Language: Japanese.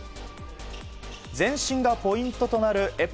全身がポイントとなるエペ。